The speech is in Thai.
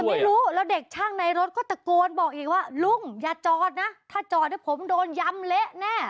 ไม่รู้แล้วเด็กช่างในรถก็ตะโกนบอกอีกว่าลุงอย่าจอดนะถ้าจอดให้ผมโดนย้ำเละแน่